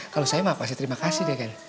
kalau saya mau pasti terima kasih deh kan